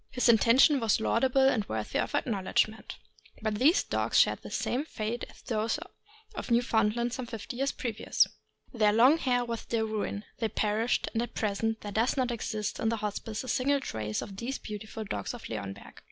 His intention was laudable and worthy of acknowledgment. But these dogs shared the same fate as those of Newfoundland some fifty years previous. 552 THE AMERICAN BOOK OF THE DOG. Their long hair was their ruin; they perished; and at present there does not exist in the Hospice a single trace of these beautiful dogs of Leonberg.